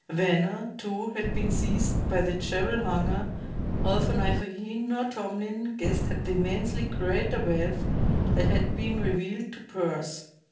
Venner, too, had been seized by the jewel hunger, although neither he, nor Tomlin, guessed at the immensely greater wealth that had been revealed to Pearse.